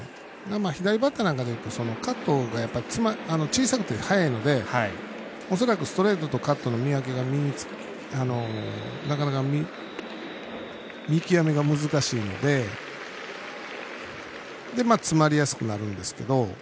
左バッターなんかでいうとカットが小さくて速いので恐らくストレートとカットの見分けがなかなか見極めが難しいので詰まりやすくなるんですけど。